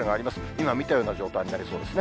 今見たような状態になりそうですね。